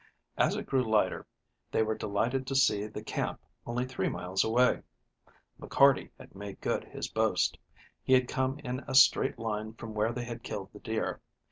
As it grew lighter, they were delighted to see the camp only three miles away. McCarty had made good his boast. He had come in a straight line from where they had killed the deer.